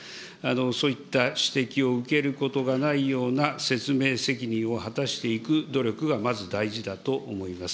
そういった指摘を受けることがないような説明責任を果たしていく努力がまず大事だと思います。